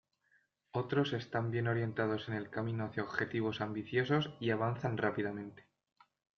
Otros están bien orientados en el camino hacia objetivos ambiciosos, y avanzan rápidamente.